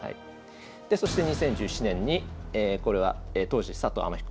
でそして２０１７年にこれは当時佐藤天彦名人が。